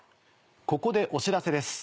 ここでお知らせです。